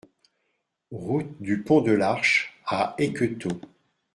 Route du Pont de l'Arche à Ecquetot